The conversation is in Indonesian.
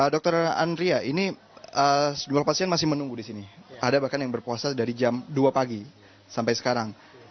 dokter andria ini dua pasien masih menunggu di sini ada bahkan yang berpuasa dari jam dua pagi sampai sekarang